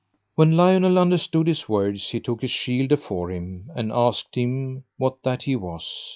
When Lionel understood his words he took his shield afore him, and asked him what that he was.